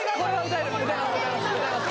歌えます